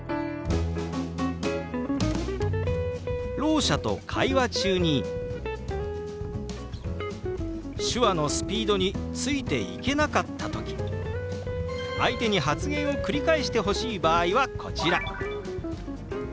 ろう者と会話中に手話のスピードについていけなかった時相手に発言を繰り返してほしい場合はこちら。